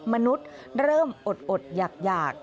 มนุษย์เริ่มอดอยาก